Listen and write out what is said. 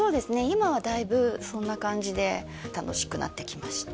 今はだいぶそんな感じで楽しくなってきました